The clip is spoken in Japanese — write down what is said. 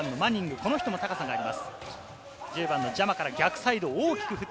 この人も高さがあります。